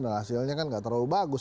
nah hasilnya kan gak terlalu bagus